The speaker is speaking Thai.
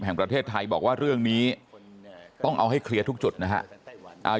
แห่งประเทศไทยบอกว่าเรื่องนี้ต้องเอาให้เคลียร์ทุกจุดนะครับ